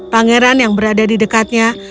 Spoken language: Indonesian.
pangeran yang berada di dekatnya